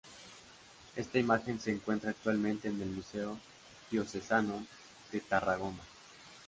Esta imagen se encuentra actualmente en el Museo Diocesano de Tarragona.